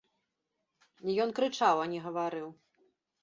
Ён крычаў, а не гаварыў.